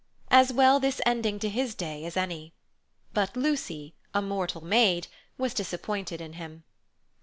As well this ending to his day as any. But Lucy, a mortal maid, was disappointed in him.